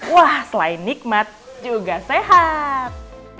wah selain nikmat juga sehat